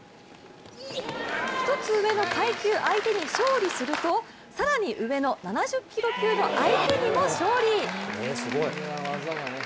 １つ上の階級相手に勝利すると更に上の７０キロ級の相手にも勝利。